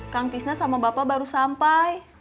kang pizna sama bapak baru sampai